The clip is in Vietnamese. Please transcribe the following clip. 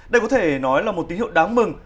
đây có thể nói là một tín hiệu đáng mừng